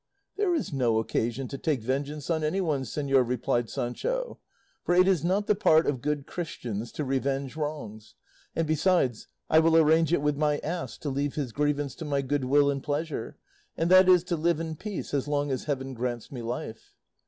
"There is no occasion to take vengeance on anyone, señor," replied Sancho; "for it is not the part of good Christians to revenge wrongs; and besides, I will arrange it with my ass to leave his grievance to my good will and pleasure, and that is to live in peace as long as heaven grants me life."